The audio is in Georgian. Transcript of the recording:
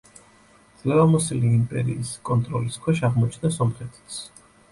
ძლევამოსილი იმპერიის კონტროლის ქვეშ აღმოჩნდა სომხეთიც.